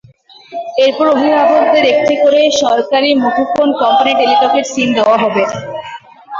এরপর অভিভাবকদের একটি করে সরকারি মুঠোফোন কোম্পানি টেলিটকের সিম দেওয়া হবে।